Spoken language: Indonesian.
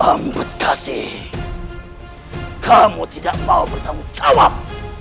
ambedkasi kamu tidak mau bertanggung jawab